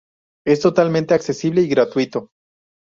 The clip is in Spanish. Es totalmente accesible y gratuito.